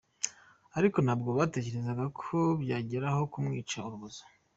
Ariko ntabwo batekerezaga ko byagera aho kumwica urubozo.